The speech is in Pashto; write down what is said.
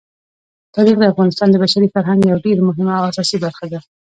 تاریخ د افغانستان د بشري فرهنګ یوه ډېره مهمه او اساسي برخه ده.